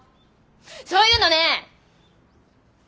そういうのね。